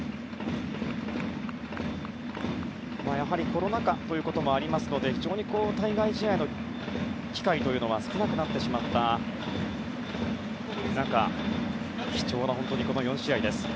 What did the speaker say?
コロナ禍ということもありますので非常に対外試合の機会というのは少なくなってしまった中貴重なこの４試合です。